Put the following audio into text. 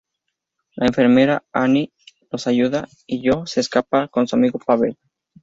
La enfermera Annette los ayuda y Jo se escapa con su amigo Pavel.